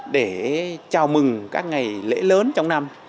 để chào mừng các ngày lễ lớn trong năm